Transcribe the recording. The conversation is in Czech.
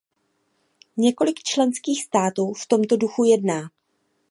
Několik členských států v tomto duchu jedná.